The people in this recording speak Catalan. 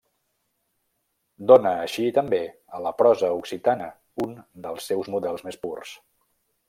Dóna així, també, a la prosa occitana un dels seus models més purs.